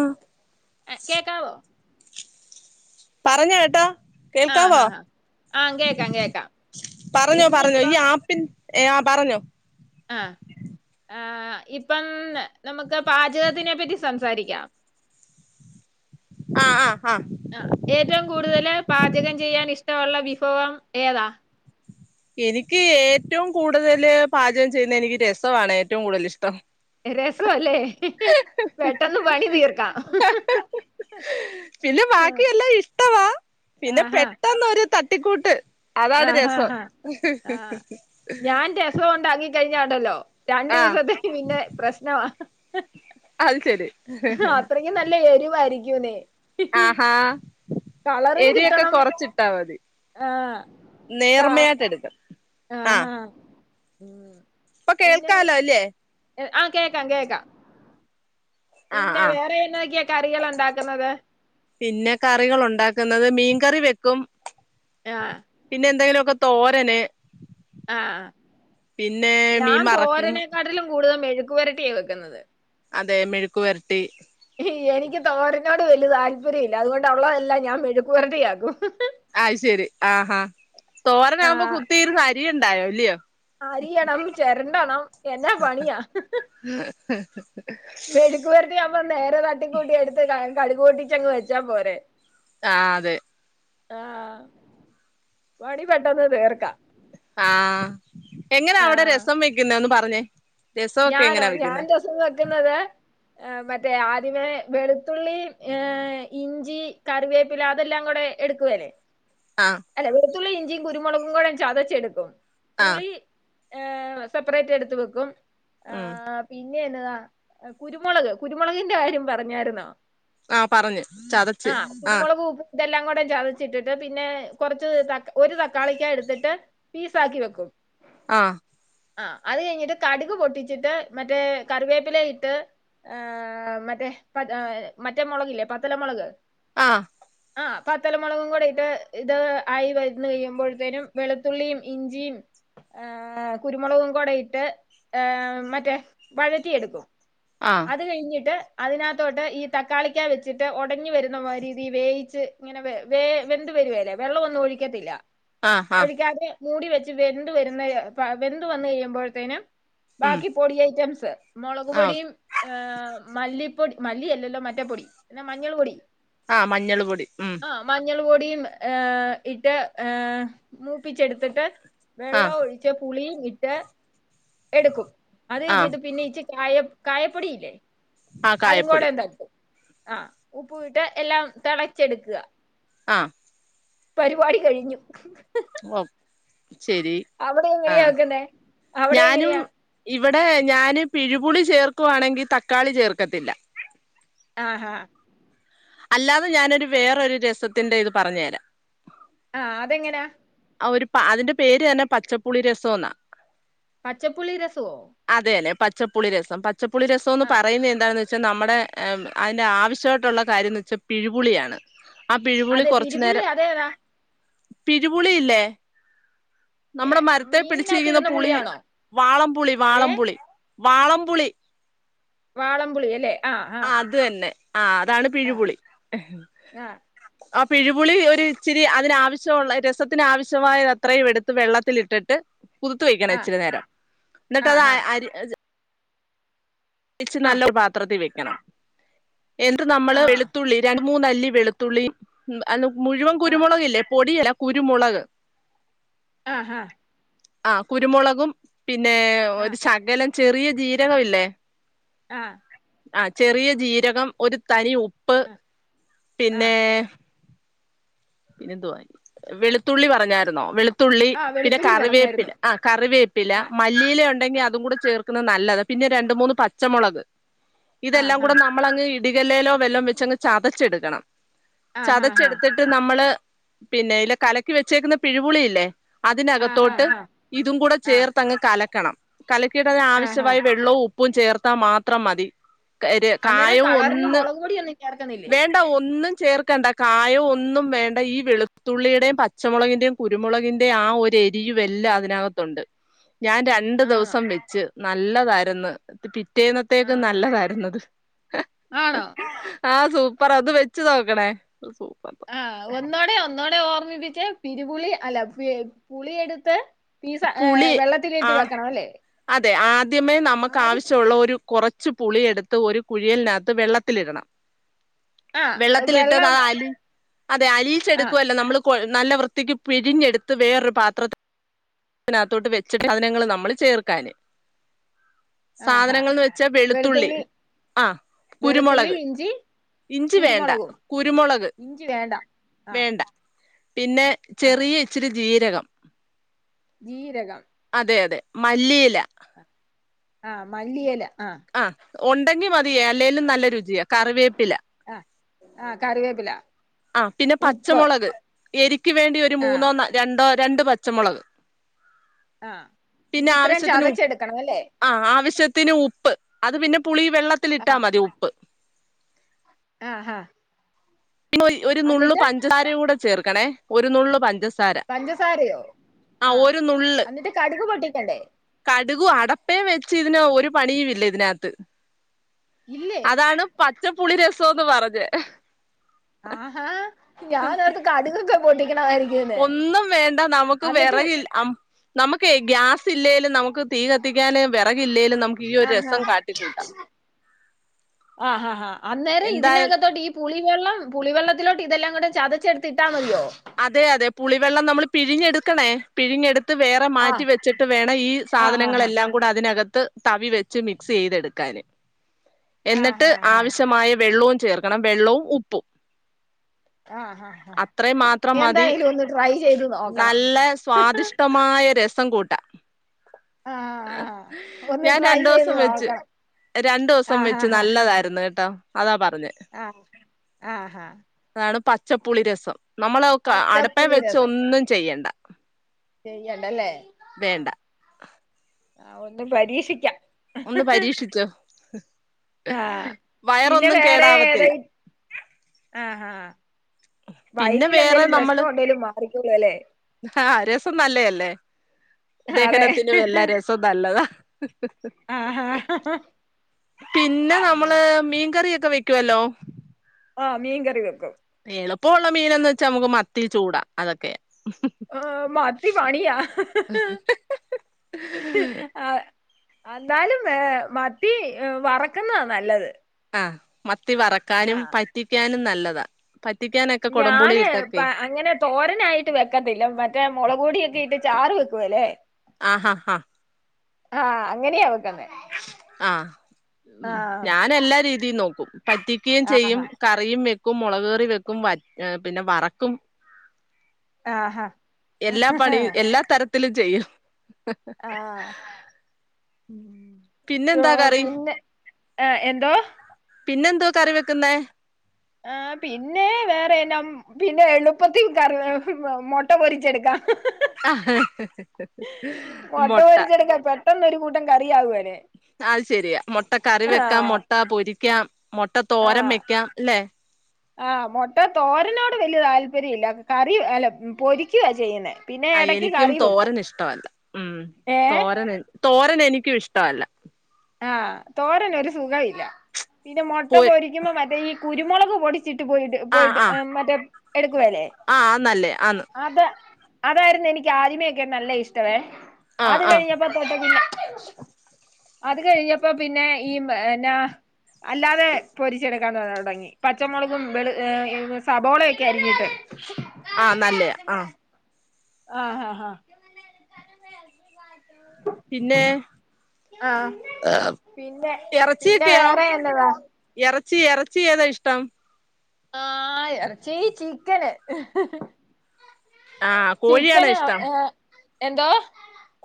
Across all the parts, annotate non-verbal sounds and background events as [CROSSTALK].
ഉം കേക്കാവോ പറഞ്ഞ കേട്ടോ ആ, കേൾക്കാവോ ആ, ആ. ആ, കേക്കാം കേക്കാം. പറഞ്ഞോ പറഞ്ഞോ ഈ ഇന്നിപ്പം ആ പിൻ ഏആ പറഞ്ഞോ ആഹ് ആഹ് ഇപ്പം നമുക്ക് പാചകത്തിനെ പറ്റി സംസാരിക്കാം. ആഹ് ആഹ് ഹാ ആഹ് ഏറ്റവും കൂടുതല് പാചകം ചെയ്യാൻ ഇഷ്ടുള്ള വിഫവം ഏതാ എനിക്ക് യേറ്റവും കൂടുതല് പാചകം ചെയ്യുന്നനിക്ക് രസവാണ് ഏറ്റവും കൂടുതല്ഇഷ്ടം രസൊ അല്ലേ പെട്ടന്ന് പണി തീർക്കാ പിന്നെ ബാക്കിയെല്ലാം ഇഷ്ടവാ പിന്നെ ആഹാ, പെട്ടെന്നൊര് തട്ടിക്കൂട്ട് അതാണ് രസം ആഹാഹാ. ആ, ഞാൻ രസോണ്ടാക്കി കഴിഞ്ഞ ണ്ടല്ലോ രണ്ടു ആ ദിവസത്തേക്ക് പിന്നെ പ്രശ്നമാ അത് ശെരി ഇത് നല്ല എരിവായിരിക്കൂന്നെ ആഹാ എരുയൊക്കെ കിട്ടണം കൊറച്ചിട്ടാ മതി ആ, നേർമയായിട്ടെടുക്കണം ആഹ് ഹാ ഇപ്പ കേൾക്കാലോ അല്ലേ എ ആഹ് കേക്കാ കേക്കാ ആ പിന്നെ ആ വേറെന്നൊക്കെയ കറിയള് ഉണ്ടാക്കുന്നത് പിന്നെ കറികളുണ്ടാക്കുന്നത് മീൻ കറി വെക്കും [UNINTELLIGIBLE] പിന്നെന്തെങ്കിലൊക്കെ തോരന് ആഹ് പിന്നെ ഞാൻ മീൻ മറക്കും തോരനെക്കാട്ടിലും കൂടുതൽ മെഴുക്ക് വരട്ടിയ വെക്കുന്നത് അതെ മെഴുക്ക് വരട്ടി യെനിക്ക് തോരനോട് വല്യ താല്പര്യല്ല അതുകൊണ്ട് ഉള്ളതെല്ലാം ഞാൻ മെഴുക്ക് വരട്ടിയാക്കും അഅ് ശെരി ആഹാ ആ തോരനാകുമ്പോ കുത്തിയിരുന്നരിയണ്ടായോ ഇല്ലയോ അരിയണം ചെരണ്ടണം എന്നാ പണിയാ മെഴു ക്ക് വരട്ടിയാവുമ്പം നേരെ തട്ടി കൂട്ടി എടുത്ത് ക കട്‌ ക് പൊട്ടിച്ചങ് വെച്ചാ പോരെ ആഹ് അതെ ആഹ് പണി പെട്ടെന്ന് തീർക്കാ ആഹ് എങ്ങനാവിടെ ആ രസം വെക്കുന്നെ ഒന്ന് പറഞ്ഞേ രസമൊക്കെ ഞാനോ എങ്ങനാ ഞാൻ വെക്കുന്നെ രസം വെക്ക്ന്നത് മറ്റേ ആദ്യമേ വെളുത്തുള്ളി ഏ ഇഞ്ചി കറിവേപ്പില അതെല്ലാം കൂടെ എടുക്കുവെ ലെ ആഹ് അല്ല വെളുത്തുള്ളി യിഞ്ചി കുരുമുളകും കൂടെ ചതച്ചെടുക്കും ആ പുളി ഏഹ് സെപ്പറേറ്റ് എടുത്ത് വെക്കും ഏ ഉം പിന്നെയെന്നതാ എ കുരുമുളക് കുരുമുളകിന്റെ കാര്യം പറഞ്ഞായിരുന്നോ ആഹ് പറഞ്ഞ് ചതച്ച് ആഹ് കുരുമുളകും ഉപ്പും ഇതെല്ലാം കുടെ ചതച്ചിട്ടിട്ട് പിന്നെ കൊറച്ച് ത ഒരു തക്കാളിക്കാ എടുത്തിട്ട് പീസാക്കി വെക്കും ആഹ് ആഹ് അത് കയിഞ്ഞിട്ട് കടുക് പൊട്ടിച്ചിട്ട് മറ്റേ കറിവേപ്പില ഇട്ട് ഏഹ് മറ്റേ പ മറ്റേ മൊളകില്ലേ പത്തല മൊളക് ആഹ് ആ പതല്മൊളകുപൊടിഇട്ട് ഇത് ആയി വരുന്ന് കഴിയുമ്പോഴ്ത്തേനും വെളുത്തുള്ളിയും ഇഞ്ചിം ആകുരുമൊളകുകൊടെയിട്ട് ഏ മറ്റെ വഴറ്റിയട്ക്കും ആ അത് കയിഞ്ഞിട്ട് അതിനാത്തോട്ട് ഈ തക്കാളിക്ക വെച്ചിട്ട് ഒടഞ്ഞ് വരുന്ന മാ രീതി വേയിച്ച് ഇങ്ങനെ വെ വേ വെന്ത് വെരുവേലെ വെള്ളൊ ഒന്നു ഒഴിക്കത്തില്ല ആ ആ ഒഴിക്കാതിനെ മൂടി വെച്ച് വെന്ത് വരുന്നരെ പ വെന്ത് വന്ന് കഴിയുമ്പോഴത്തേനും ഉം ബാക്കി പൊടി ഐറ്റംസ് മൊളക് ആ പൊടിയും ഏ മല്ലിപ്പൊടി മല്ലിയെല്ലല്ലോ മറ്റേ പൊടി ന്നെ മഞ്ഞള് പൊടി ആ മഞ്ഞള് പൊടി മ് ആ മഞ്ഞള് പൊടിയും ഏ ഇട്ട് ഏ മൂപ്പിച്ചെട്ത്തിട്ട് ആ വെള്ളൊം ഒഴിച്ച് പുളിയും ഇട്ട് എടുക്കും അത് ആ കഴിഞ്ഞിട്ട് പിന്നെ ഇച്ച് കായ കായപ്പൊടില്ലേ ആ അതു കായപ്പൊടി കൂടെ തട്ടും ആ ഉപ്പുംട്ട് എല്ലാം തെളച്ചെട്ക്കാ ആ പരിപാടി കഴിഞ്ഞു ഹേ ഒ ശെരി അവ്ടെ എങ്ങനെയാ വെക്ക്ന്നെ അവിടെ ഞാനും എങ്ങനെയാ ഇവിടെ ഞാന് പിഴുപുളി ചേർക്കുവാണെങ്കിൽ തക്കാളി ചേർക്കത്തില്ല ആ ഹാ അല്ലാതെ ഞാനൊരു വേറൊരു രസത്തിന്റെ ഇത് പറഞ്ഞരാം ആ അതെങ്ങെനാ പ അതിന്റെ പേരെന്നെ പച്ചപ്പുളി രസോന്നാ പച്ചപ്പുള്ളി രസവൊ അതന്നെ പച്ചപ്പുളി രസം പച്ചപ്പുളി രസംന്ന് ആഹ് പറയുന്നതെന്താണെന്ന് വെ ച്ച് നമ്മെടെ ഏ അയിൻ്റെ ആവിശ്യായിട്ടുള്ള കാര്യംന്ന്ച്ചാൽ പിഴുപുളിയാണ് ആ പിഴുപുളി അതെ കൊറച്ച് പിരിപുളി നേരം അതേതാ പിഴുപുളിയില്ലേ നമ്മെടെ മരത്തെ മീനിനകത്ത് പിടിച്ചീക്കുന്ന ഇടുന്ന പുളി പുളിയാണോ വാളംപുളി ഏ വാളംപുളി വാളംപുളി വാളംപുളി അല്ലേ ആ അതെന്നെ ആ അതാണ് ആ പിഴുപുളി ആ ആ പിഴുപുളി ഒരു ഇച്ചിരി അതിനാവിശ്യുള്ള രസത്തിന് ആവിശ്യമായ അത്രയും എടുത്ത് വെള്ളത്തിൽ ഇട്ട് ഉ [INAUDIBLE] കുദുത്ത് വെയ്ക്കണം ഇച്ചിരി നേരം ന്നട്ട് അത് അ ആ അ രി [UNINTELLIGIBLE] രിച് ആ നല്ല പാത്രത്തിൽ വെയ്ക്കണം എന്നിട്ട് ആ നമ്മള് വെളുത്തുള്ളി രണ്ട് മൂന്നല്ലി വെളുത്തുള്ളിം മ് അന്ന് മുഴുവൻ ആ ആ കുരുമൊളക് ല്ലേ പൊടി അല്ല കുരുമുളക് ആ ഹാ ആ കുരുമൊളകും പിന്നേ ആ ആ ഒരു ശകലം ചെറിയ ജീരകം ല്ലേ ആ ആ ചെറിയ ജീരകം ഒരു തരി ഉപ്പ് ആ പിന്നേ പിന്നെന്തുവാ വെളുത്തുള്ളി പറഞ്ഞാര്ന്നോ വെളുത്തുള്ളി ആ പിന്നെ വെളുത്തുള്ളി കറിവേപ്പില പറഞ്ഞായിരുന്നു ആ കറിവേപ്പ് പ്പില ആ മല്ലിയില ണ്ടെങ്കി ആ അതും കൂടെ ചേർക്കുന്നത് നല്ലത പിന്നെ രണ്ട് മൂന്ന് പച്ചമൊളക് ആ ആ ഇതെല്ലാകൂടെ നമ്മളങ്ങ് ഇടികല്ലേലോ വെല്ലം വെച്ചങ്ങ് ചതച്ചെടുക്കണം ആ ആ ആ ചതച്ചെടുത്തിട്ട് നമ്മള് പിന്നെ ല് കലക്കി വെച്ചേക്കുന്ന പിഴ് പുളിയില്ലേ ആ ആ അതിനകത്തോട്ട് ആ ഇതുകൂടെ ആ ചേർത്തങ്ങ് കല കണം കലക്കീട്ടത് ആ ആ നാവിശ്യമായ വെള്ളവും ഉപ്പും ചേർത്താ മാത്രം മതി കര് അന്നേരം കളറിന് കായവൊന്നും മുളക് പൊടിയൊന്നും ചേർക്കുന്നില്ലേ വേണ്ട ഒന്നും ചേർക്കണ്ട കായവും ഒന്ന് ന്നും വേണ്ട ഈ വെളുത്തുള്ളിയടെയും പച്ചമുളകിന്റേം കുരുമുളകിന്റേം ആ ഒരു എരിയും വെല്ലാം അതിനകത്ത് ത്തുണ്ട് ഞാൻ ര ണ്ട് ആണോ ദിവസം വെച്ച് നല്ലതായ്ര്ന്നു ആ പിറ്റേന്നത്തേക്കും നല്ലതായിര്ന്നത് ആണോ ആ സൂപ്പറാ ന്ന് വെച്ച് നോക്കണേ സൂ ആ ഒന്നോടെ ഒന്നോടെ ഓർമിപ്പിച്ചെ പിഴ്പുളി അല്ല പുളിയെടുത്ത് പീസ പുളി വെള്ളത്തില് ആ ഇട്ട് വെക്കണം അല്ലേ? അതെ ആദ്യമേ നമ്മക്ക് ആവി ആവശ്യമുള്ള ഒരു കുറച്ച് പുളിയെടുത്ത് ഒരു കുഴിയലിനകത്ത് വെള്ളത്തിലിടണം ആ വെള്ളത്തിലിട്ടത് വെള്ളം അത് അലി അതെ ആ അലീച്ചെടുക്കുവല്ലോ നമ്മള് നല്ല വൃത്തിക്ക് പിഴിഞ്ഞെടുത്ത് വേറൊരു പാത്രത്തി ത്തിതിനകത്തോട്ട് വെച്ചിട്ട് സാധനങ്ങൾ നമ്മള് ചേർക്കാന് ആ ആ സാധനങ്ങൾന്ന് വെച്ചാ വെളുത്തുള്ളി ആ വെളുത്തുള്ളി കുരുമുളക് ഇഞ്ചി ഇഞ്ചി വേണ്ട കുരുമുളകും കുരുമുളക് ഇഞ്ചി വേണ്ട ആഹ് വേണ്ട പിന്നെ ആഹ് ചെറിയ ഇച്ചിരി ജീരകം, ജീരകം അതെ അതെ മല്ലിയില ആഹ മല്ലിയെല ആഹ ആഹ് ഉണ്ടെങ്കി മതിയേ അല്ലേലും നല്ല രുചിയാ കറിവേപ്പില ആഹ് ആഹ് കറിവേപ്പില ആഹ് പിന്നെ ഉപ്പ് പച്ചമുളക് എരിക്ക് വേണ്ടി ഒരു ആഹ് മൂന്നോ രണ്ടോ രണ്ട് പച്ചമുളക് ആഹ് ഇത് പിന്നെ ഇത്രയും ആവശ്യത്തിന് ഉ ചതച്ചെടുക്കണം അല്ലേ? ആഹ് ആവശ്യത്തിന് ഉപ്പ് അത് പിന്നെ പുളി വെള്ളത്തിലിട്ടാൽ ആഹ് മതി ഉപ്പ്. ആഹ് ഹാ പിന്നെ ഒരു നുള്ള് പഞ്ചസാര കൂടെ ചേർക്കണേ ഒരു നുള്ള് പഞ്ചസ- പഞ്ചസാരയോ ആഹ് നുള്ള് എന്നിട്ട് കടുക് പൊട്ടിക്കണ്ടേ? കടുകും അടപ്പേം വെച്ച് ഇതിന് ഒരു പണിയും ഇല്ല ഇതിനകത്ത് ഇല്ലേ അതാണ് പച്ചപ്പുളി രസംന്ന് പറഞ്ഞെ ഹ് ഹി ആഹാ ഞാനോർത്ത് കടുകൊക്കെ പൊട്ടിക്കണമായിരിക്കും ഒന്നും വേണ്ട നമുക്ക് വിറകി അം നമുക്ക് ഗ്യാസ് ഇല്ലേലും നമുക്ക് തീ കത്തിക്കാന് വെറകില്ലേലും നമുക്ക് ഈ ഒരു ആഹ് രസം ആഹ് കാട്ടിക്കൂട്ടാം ആഹ് ആഹ് ഹാ അന്നേരം എന്തായാ ഇതിനകത്തോട്ട് ഈ പുളിവെള്ളം പുളിവെള്ളത്തിലോട്ട് ഇതെല്ലാം കൂടെ ചതച്ചെടുത്തിട്ടാ മതിയോ? അതെ അതെ പുളിവെള്ളം നമ്മൾ പിഴിഞ്ഞെടുക്കണേ പിഴിഞ്ഞെടു- ത്ത് വേറെ ആഹ് മാറ്റി വെച്ചിട്ട് വേണം ഈ ആഹ് ആഹ് സാധനങ്ങളെല്ലാം കൂടെ അതിനകത്ത് തവി വെച്ച് മിക്സ് ചെയ്ത് എടുക്കാന് ആഹ് എന്നിട്ട് ആഹ് ആവശ്യമായ വെള്ളവും ചേർക്കണം വെള്ളവും ഉപ്പും ആഹ് ആഹ് ഹാ അത്രയും മാത്രം മതി എന്തായായാലും ഒന്ന് ട്രൈ ചെയ്ത് നോക്കണം. ശുദ്ധമായ രസം കൂട്ടാം. ആഹ ആഹ ആഹ് ഒന്ന് ഞാൻ ട്രൈ രണ്ടു ചെയ്ത് ദോവസം വെച്ച് നോക്കണം രണ്ടു ദോവസം ആഹ് വെച്ച് ആഹ് നല്ലതായിരുന്നു കേട്ടോ അതാ പറഞ്ഞത്. ആഹ് ആഹ് ഹാ അതാണ് പച്ചപ്പുളി രസം നമ്മൾ ഒക്കെ അടുപ്പേ പച്ചപ്പുളി വെച്ച് രസം ഒന്നും ചെയ്യണ്ട ചെയ്യണ്ടല്ലേ വേണ്ട ആഹ് ആഹ് ഒന്ന് പരീക്ഷിക്കാം. ഒന്ന് പരീക്ഷിച്ചോ ആഹ് പിന്നെ വയറൊന്നും വേറെ ഏത കേടാവത്തില്ല. ആഹ് ആഹ് പിന്നെ വയറ്റിൽ വേറെ എന്തേലും നമ്മള് പ്രശ്നം ഉണ്ടെലും മാറിക്കോളും അല്ലേ? ആഹ് രസം നല്ലയല്ലേ അതെ ദഹനത്തിനും എല്ലാ രസം നല്ലതാ. ആഹ് പിന്നെ നമ്മള് ആഹ് മീൻകറിയൊക്കെ വെക്കുവല്ലോ ആഹ് മീൻ കറി വെക്കും എളുപ്പമുള്ള മീനന്ന് വെച്ചാ നമുക്ക് മത്തി ചൂടാ അതൊക്കെയാ ആഹ് മത്തി പണിയാ ഹ് ആഹ് എന്നാലും ഏ മത്തി വറക്കുന്നതാ നല്ലത് ആഹ് മത്തി ആ വറക്കാനും പറ്റിക്കാനും നല്ലതാ പറ്റിക്കാനൊക്കെ കുടം പുളി ഞാന് ഇട്ടൊക്കെ പ- അങ്ങനെ തോരനായിട്ട് വെക്കത്തില്ല മറ്റേ മുളക് പൊടിയൊക്കെ ഇട്ട് ചാറ് വെക്കുവേലെ ആഹ് ഹഹാ ആ അങ്ങനെയ വെക്ക്ന്നെ ആഹ് ഞാന് എല്ലാ രീതിയും നോക്കും പറ്റിക്കയും ചെയ്യും ആഹാ കറിയും വെക്കും മുളക് കറി വെക്കും വ ആ പിന്നെ വറക്കും ആഹാ എല്ലാ പണിയും എല്ലാ തരത്തിലും ചെയ്യും [UNINTELLIGIBLE] ആഹ് ഉം ഓ, പിന്നെന്താ കറി പിന്നെ ആ, എന്തോ പിന്നെന്തോ കറി വെക്കുന്നേ ആ പിന്നെ വേറെനം പിന്നെ എളുപ്പത്തി കർ മൊട്ട പൊരിച്ചെടുക്കാം [UNINTELLIGIBLE] മുട്ട മൊട്ട പൊരിച്ചെടുക്കാം പെട്ടെന്നൊരു കൂട്ടം കറിയാവ [UNINTELLIGIBLE] അത് ശരിയാ മുട്ട കറി വെക്കാം മുട്ട പൊരിക്കാം മുട്ട ആ തോരം വെക്കാം അല്ലെ ആഹ് മുട്ട തോരനോട് വല്യ താല്പര്യല്ല കറി അല്ല പൊരിക്കുവ ചെയ്യുന്നേ പിന്നെ ആ എടക്ക് എനിക്കും കറി വെക്കും തോരനിഷ്ടവല്ല ഉം ഏഹ് തോരനൻ തോരൻ എനിക്കു ഇഷ്ടല്ല ആഹ് തോരനൊരു സുഖവില്ല പിന്നെ മുട്ട പൊ പൊരി ക്കുമ്പോ മറ്റേ ഈ കുരുമുളക് പൊടിച്ചിട്ട് പോയിട്ട് പോയിട്ട് മറ്റേ എടുക്കുവെല്ലേ ആ [UNINTELLIGIBLE] നല്ലേ ആന്ന് അതേ അതായിരുന്നു എനിക്ക് ആദ്യമേക്കെ നല്ല ഇഷ്ടവേ ആഹ് അത് ആഹ് കഴിഞ്ഞ- പ തൊട്ട് പിന്നെ അത് കഴിഞ്ഞപ്പോ പിന്നെ ഈ എന്നാ അല്ലാതെ പൊരിച്ചെടുക്കാൻ തൊടങ്ങി പച്ചമുളകും വെളു സബോളയൊക്കെ അരിഞ്ഞിട്ട് ആഹ് നല്ലയ ആ ആഹഹ പിന്നെ ആഹ് പിന്നെ പിന്നെ എറച്ചിയൊക്കെയോ വേറെ എന്നതാ എറച്ചി എറച്ചി ഏതാ ഇഷ്ടം ആഹ് എറച്ചി ചിക്കന് ആഹ് കോഴിയാണോ ചിക്കൻ ഇഷ്ടം ഏഹ് എന്തോ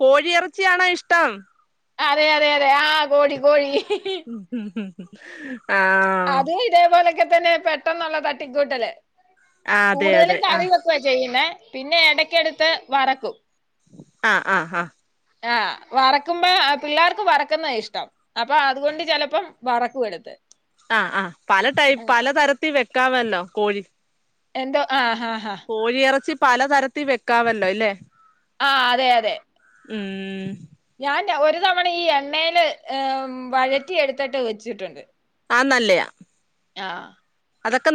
കോഴിയിറച്ചിയാണോ ഇഷ്ടം അതെ അതെ അതെ ആ കോഴി കോഴി ഉം ആഹ് അതും ഇതേപോലൊക്കെ തന്നെ പെട്ടെന്നുള്ള തട്ടിക്കൂട്ടല് ആഹ് അതെ അതെ കൂടുതലും ആഹ് കറിവെ- ക്കുവാ ചെയ്യുന്നെ പിന്നെ ഇടയ്ക്കെടുത്ത് വറക്കും ആഹ് ആഹ് ഹാ ആഹ് വറക്കുമ്പോ ആ പിള്ളേർക്കു വറക്കുന്ന ഇഷ്ടം അപ്പൊ അതുകൊണ്ട് ചിലപ്പം വറക്കും എടുത്ത് ആഹ് ആ പല ടൈപ്പ് ആഹ് പലതരത്തിൽ വെക്കാവല്ലോ കോഴി എന്തോ ആഹഹ കോഴിയിറച്ചി പലതരത്തി വെക്കാവല്ലോല്ലെ ആഹ് അതെ അതെ ഉം ഞാൻ ഒരു തവണ ഈ എണ്ണേൽ അം വഴറ്റി എടുത്തിട്ട് വെച്ചിട്ടുണ്ട് ആ നല്ലേയാ ആഹ് അതൊക്കെ ന-